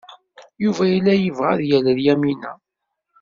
Yuba yella yebɣa ad yalel Yamina.